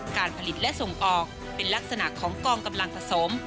การผลิตและส่งออกเป็นลักษณะของกองกำลังผสม